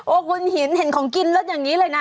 คุณหินเห็นของกินแล้วอย่างนี้เลยนะ